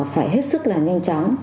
phải hết sức là nhanh chóng